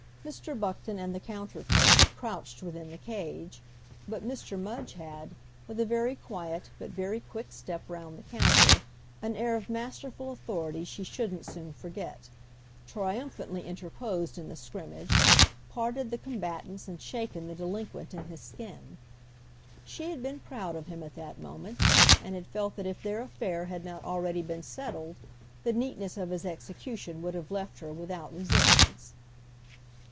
Mr. Buckton and the counter clerk had crouched within the cage, but Mr. Mudge had, with a very quiet but very quick step round the counter, an air of masterful authority she shouldn't soon forget, triumphantly interposed in the scrimmage, parted the combatants and shaken the delinquent in his skin. She had been proud of him at that moment, and had felt that if their affair had not already been settled the neatness of his execution would have left her without resistance.